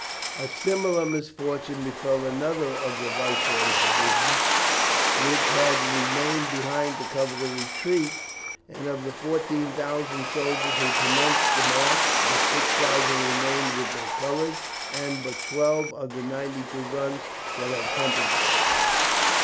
A similar misfortune befell another of the Viceroy's divisions, which had remained behind to cover the retreat, and of the 14,000 soldiers who commenced the march but 6000 remained with their colours, and but 12 of the 92 guns that had accompanied them.